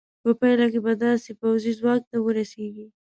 په پایله کې به داسې پوځي ځواک ته ورسېږې.